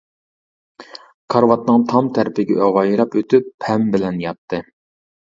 كارىۋاتنىڭ تام تەرىپىگە ئاۋايلاپ ئۆتۈپ پەم بىلەن ياتتى.